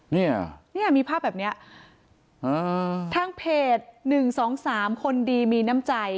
เนี่ยเนี่ยมีภาพแบบเนี้ยอ่าทางเพจหนึ่งสองสามคนดีมีน้ำใจ